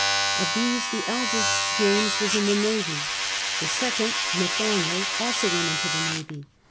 Of these the eldest, James, was in the navy. The second, Nathaniel, also went into the navy.